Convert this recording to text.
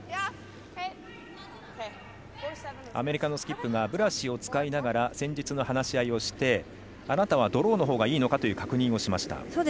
アメリカのスキップがブラシを使いながら戦術の話し合いをしてあなたはドローのほうがいいのかという確認をしました。